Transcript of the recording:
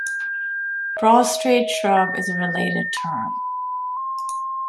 Prostrate shrub is a related term.